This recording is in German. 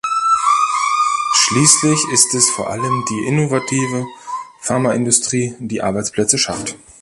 Schließlich ist es vor allem die innovative Pharmaindustrie, die Arbeitsplätze schafft.